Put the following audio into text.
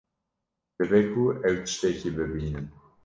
Dibe ku ew tiştekî bibînin.